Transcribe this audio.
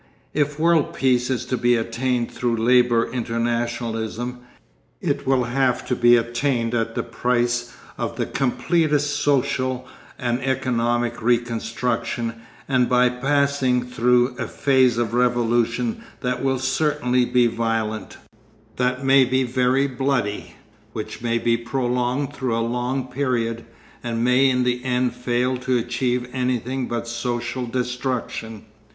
If world peace is to be attained through labour internationalism, it will have to be attained at the price of the completest social and economic reconstruction and by passing through a phase of revolution that will certainly be violent, that may be very bloody, which may be prolonged through a long period, and may in the end fail to achieve anything but social destruction.